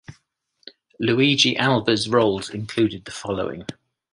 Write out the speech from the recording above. Luigi Alva's roles included the following.